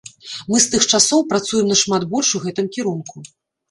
Мы з тых часоў працуем нашмат больш у гэтым кірунку.